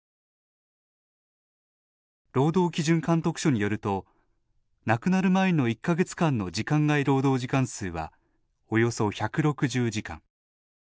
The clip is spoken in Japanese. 労働基準監督署によると亡くなる前の１か月間の時間外労働時間数はおよそ１６０時間。